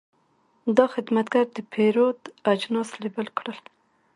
دا خدمتګر د پیرود اجناس لیبل کړل.